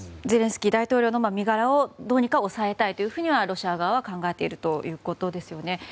ゼレンスキー大統領の身柄をどうにか押さえたいというふうにはロシア側は考えているということですね。